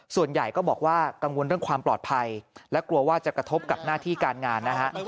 ส่วนใหญ่ก็บอกว่ากังวลเรื่องความปลอดภัยและกลัวว่าจะกระทบกับหน้าที่การงานนะฮะ